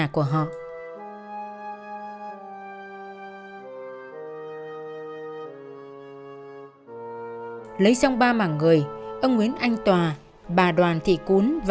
chuyện đàn cỏ